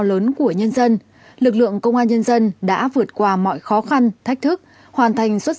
lớn của nhân dân lực lượng công an nhân dân đã vượt qua mọi khó khăn thách thức hoàn thành xuất